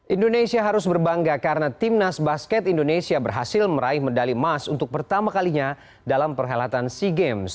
indonesia harus berbangga karena timnas basket indonesia berhasil meraih medali emas untuk pertama kalinya dalam perhelatan sea games